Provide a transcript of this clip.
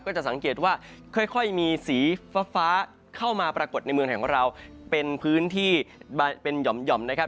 จะสังเกตว่าค่อยมีสีฟ้าเข้ามาปรากฏในเมืองไทยของเราเป็นพื้นที่เป็นหย่อมนะครับ